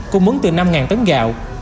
cung mấn từ năm tấn gạo